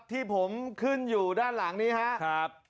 ที่ผมขึ้นอยู่ด้านหลังนี้ครับ